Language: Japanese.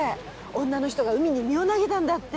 女の人が海に身を投げたんだって。